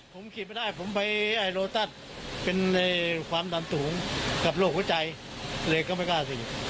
ผมขีดไม่ได้ผมไปโลตัสเป็นในความดันสูงกับโรคหัวใจเลยก็ไม่กล้าฉีด